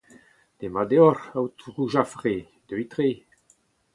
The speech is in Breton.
Demat deoc’h aotrou Jafre, deuit tre.